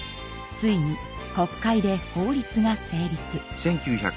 ついに国会で法律が成立。